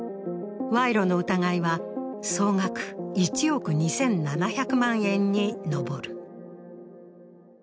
賄賂の疑いは総額１億２７００万円に上る。